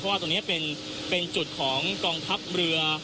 ว่าตรงนี้เป็นจุดของกองทัพเรือ